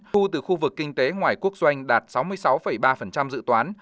thu từ khu vực kinh tế ngoài quốc doanh đạt sáu mươi sáu ba dự toán